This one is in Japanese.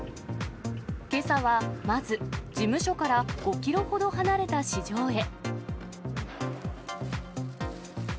けさはまず、事務所から５キロほど離れた市場へ。